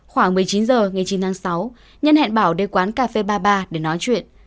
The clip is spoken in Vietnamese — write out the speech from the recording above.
khoảng một mươi chín h ngày chín tháng sáu nhân hẹn bảo đến quán cà phê ba mươi ba để nói chuyện